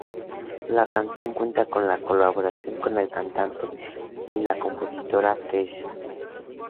La canción cuenta con la colaboración de la cantante y compositora Kesha.